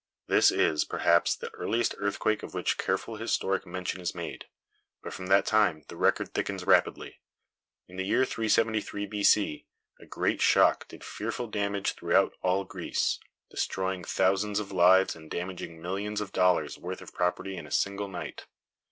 This is, perhaps, the earliest earthquake of which careful historic mention is made. But from that time, the record thickens rapidly. In the year 373 B. C., a great shock did fearful damage throughout all Greece, destroying thousands of lives and damaging millions of dollars worth of property in a single night.